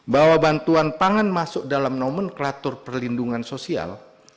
bahwa bantuan pangan masuk dalam nomenklatur perlindungan sosial